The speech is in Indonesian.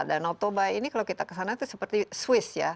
danau toba ini kalau kita kesana itu seperti swiss ya